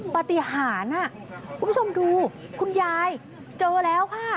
ปฏิหารคุณผู้ชมดูคุณยายเจอแล้วค่ะ